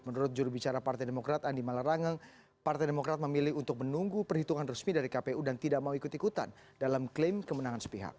menurut jurubicara partai demokrat andi malarangeng partai demokrat memilih untuk menunggu perhitungan resmi dari kpu dan tidak mau ikut ikutan dalam klaim kemenangan sepihak